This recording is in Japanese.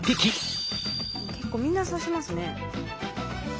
結構みんな刺しますね。